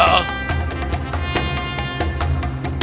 oh dan aku menemukan batu cantik ini